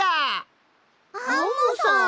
アンモさん！